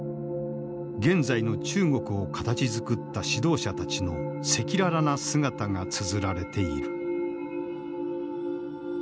現在の中国を形づくった指導者たちの赤裸々な姿がつづられている。